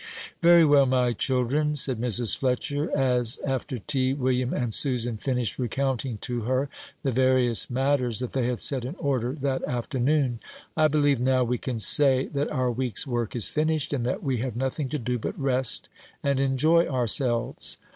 "Very well, my children," said Mrs. Fletcher, as, after tea, William and Susan finished recounting to her the various matters that they had set in order that afternoon; "I believe now we can say that our week's work is finished, and that we have nothing to do but rest and enjoy ourselves."